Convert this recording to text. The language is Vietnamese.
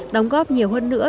đóng góp nhiều hơn nữa